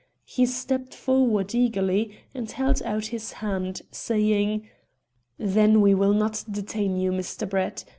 He stepped forward eagerly and held out his hand, saying "Then we will not detain you, Mr. Brett.